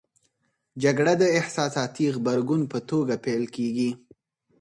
جګړه د احساساتي غبرګون په توګه پیل کېږي.